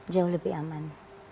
jauh lebih aman